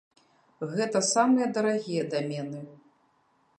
Гэта самыя дарагія дамены.